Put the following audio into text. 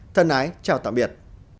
thân ái chào tạm biệt